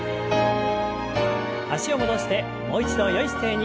脚を戻してもう一度よい姿勢に。